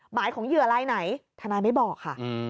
หมายของเหยื่อลายไหนทนายไม่บอกค่ะ